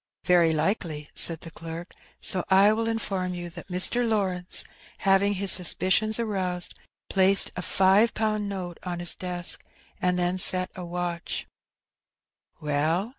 Very likely," said the clerk, "so I will inform you that Mr. Lawrence, having his suspicions aroused, placed a five pound note on his desk, and then set a watch ^" "Well?"